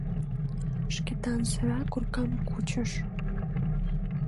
— Шкетан сыра коркам кучыш.